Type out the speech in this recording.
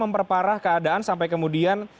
memperparah keadaan sampai kemudian